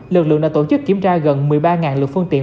lực lượng đã tổ chức kiểm tra gần một mươi ba lực phương tiện